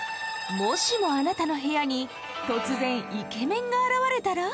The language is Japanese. もしもあなたの部屋に突然イケメンが現れたら？